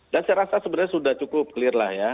dan saya rasa sebenarnya sudah cukup clear lah ya